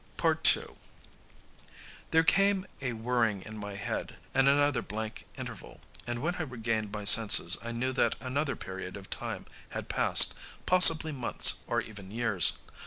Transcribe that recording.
II There came a whirring in my head, and another blank interval; and when I regained my senses I knew that another period of time had passed, possibly months or even years.